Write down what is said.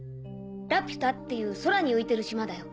ラピュタっていう空に浮いてる島だよ。